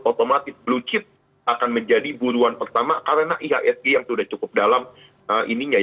otomatis blue chip akan menjadi buruan pertama karena ihsg yang sudah cukup dalam ininya